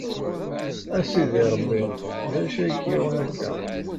A Sidi Ṛebbi, d acu ay k-yuɣen akka?